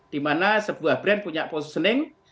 dimana sebuah brand punya positioning